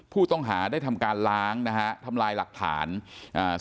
ผู้ต้องหาได้ทำการล้างนะฮะทำลายหลักฐานอ่า